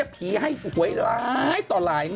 ผีให้หัวให้หลายง่วด